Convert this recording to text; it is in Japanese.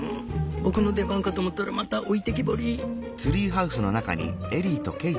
僕の出番かと思ったらまた置いてきぼり」。